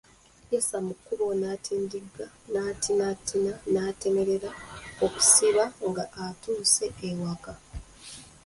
Yessa mu kkubo n’atindigga, n’atinatina, n’atemerera okusiba nga atuuse ewaka.